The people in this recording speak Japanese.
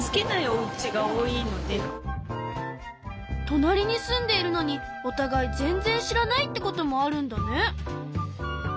となりに住んでいるのにおたがい全然知らないってこともあるんだね。